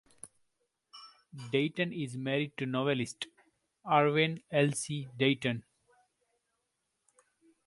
Dayton is married to novelist Arwen Elys Dayton.